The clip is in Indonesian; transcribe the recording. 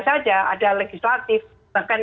saja ada legislatif bahkan